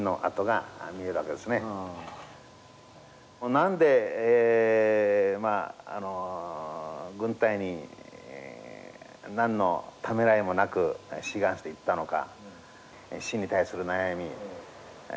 何で、軍隊に何のためらいもなく志願して行ったのか。